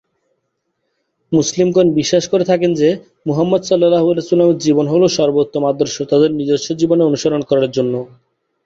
মুসলিমগণ বিশ্বাস করে থাকেন যে, মুহাম্মাদ সাঃ এর জীবন হল সর্বোত্তম আদর্শ তাদের নিজস্ব জীবনে অনুসরণ করার জন্য।